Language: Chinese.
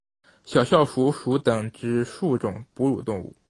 小啸鼠属等之数种哺乳动物。